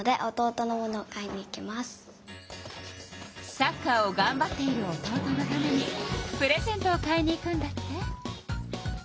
サッカーをがんばっている弟のためにプレゼントを買いに行くんだって。